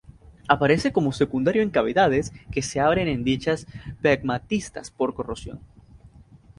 Aparece como secundario en cavidades que se abren en dichas pegmatitas por corrosión.